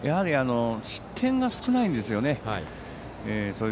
失点が少ないんですよね。